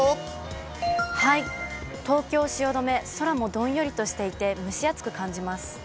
東京・汐留、空もどんよりとしていて、蒸し暑く感じます。